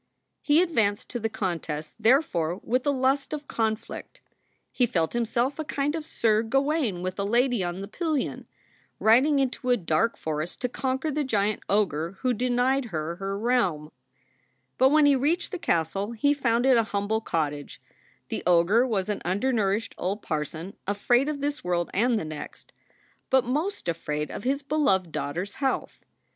He advanced to the contest, therefore, with a lust of con flict. He felt himself a kind of Sir Gawain with a lady on the pillion, riding into a dark forest to conquer the giant ogre who denied her her realm. But when he reached the castle he found it a humble cot tage; the ogre was an undernourished old parson afraid of this world and the next, but most afraid of his beloved 34 SOULS FOR SALE daughter s health.